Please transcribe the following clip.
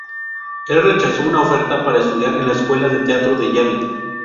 Él rechazó una oferta para estudiar en la Escuela de Teatro de Yale.